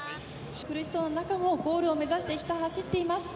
苦しそうな中もゴールを目指してひた走っています。